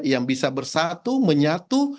yang bisa bersatu menyatu